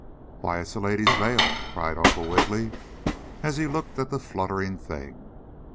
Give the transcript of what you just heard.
"Why, it's a lady's veil!" cried Uncle Wiggily, as he looked at the fluttering thing.